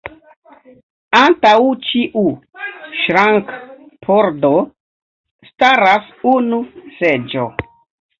Antaŭ ĉiu ŝrankpordo staras unu seĝo.